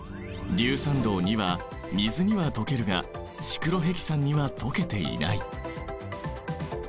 硫酸銅は水には溶けるがシクロヘキサンには溶けていない。